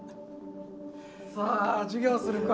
さあ授業するか。